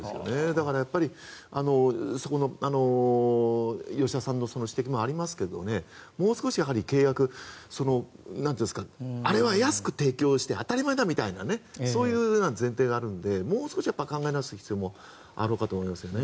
だから、そこの吉田さんの指摘もありますけれどもう少し契約あれは安く提供して当たり前だみたいなそういう前提があるのでもう少し考え直す必要もあろうかと思いますよね。